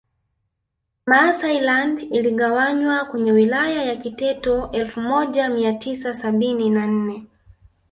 Maasai land iligawanywa kwenye Wilaya ya Kiteto elfu moja mia tisa sabini na nne